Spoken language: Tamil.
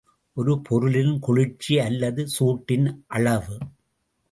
ஒரு பொருளின் குளிர்ச்சி அல்லது சூட்டின் அளவு.